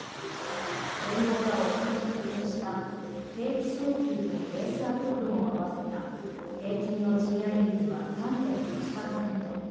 連合が、おととい発表した定期昇給とベースアップ分を合わせた平均の賃上げ率は３．８％。